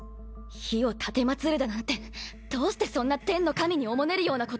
火を奉るだなんてどうしてそんな天の神におもねるようなことを。